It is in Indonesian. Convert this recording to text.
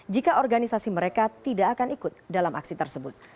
jika organisasi mereka tidak akan ikut dalam aksi tersebut